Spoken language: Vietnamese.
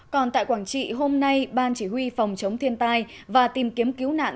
còn tại quảng trị hôm nay ban chỉ huy phòng chống thiên tai và tìm kiếm cứu nạn